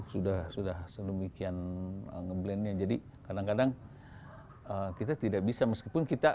sudah sudah selumit yang ngeblend nya jadi kadang kadang kita tidak bisa meskipun kita